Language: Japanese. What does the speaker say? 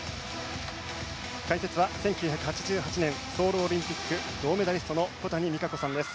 解説は１９８８年ソウルオリンピック銅メダリストの小谷実可子さんです。